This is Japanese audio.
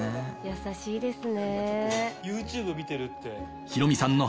優しいですね。